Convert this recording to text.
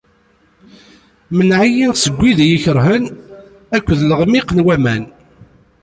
Mneɛ-iyi seg wid i iyi-ikerhen akked leɣmiq n waman.